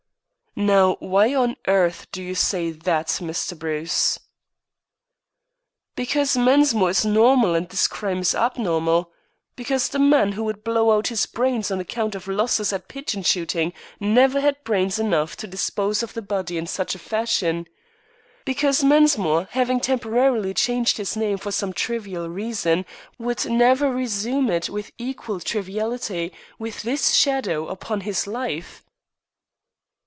"Now, why on earth do you say that, Mr. Bruce?" "Because Mensmore is normal and this crime abnormal. Because the man who would blow out his brains on account of losses at pigeon shooting never had brains enough to dispose of the body in such fashion. Because Mensmore, having temporarily changed his name for some trivial reason, would never resume it with equal triviality with this shadow upon his life."